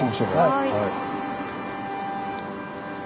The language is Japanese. はい。